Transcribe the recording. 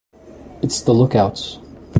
It's the Lookouts.